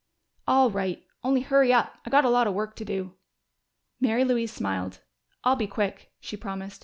"All right. Only hurry up. I got a lot of work to do." Mary Louise smiled. "I'll be quick," she promised.